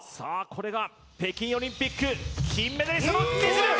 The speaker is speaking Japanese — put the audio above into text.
これが北京オリンピック金メダリストの実力！